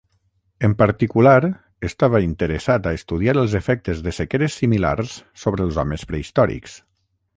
En particular, estava interessat a estudiar els efectes de sequeres similars sobre els homes prehistòrics.